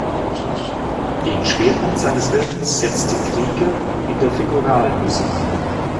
Den Schwerpunkt seines Wirkens setzte Krieger in der figuralen Musik.